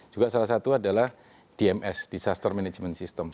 juga salah satu adalah dms disaster management system